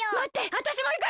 わたしもいく！